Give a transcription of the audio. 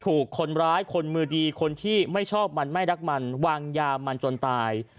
ถูกคนร้ายคนมือดีคนที่ไม่ชอบมันไม่รักมันวางยามันจนตาย